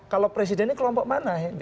kalau presiden ini kelompok mana